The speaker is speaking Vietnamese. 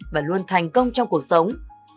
và luôn thành công trong cuộc sống